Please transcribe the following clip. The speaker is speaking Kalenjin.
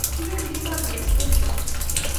Kibendi imbar keswen bandek